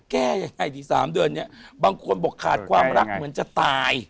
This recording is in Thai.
แก้ยังไงดี๓เดือนเนี่ยบางคนบอกขาดความรักเหมือนจะตาย